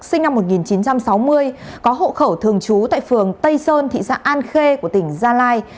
sinh năm một nghìn chín trăm sáu mươi có hộ khẩu thường trú tại phường tây sơn thị xã an khê của tỉnh gia lai